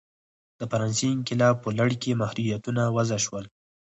د فرانسې انقلاب په لړ کې محدودیتونه وضع شول.